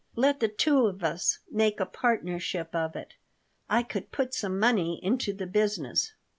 "Let the two of us make a partnership of it. I could put some money into the business."